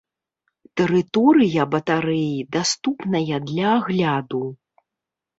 Тэрыторыя батарэі даступная для агляду.